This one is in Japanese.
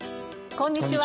こんにちは。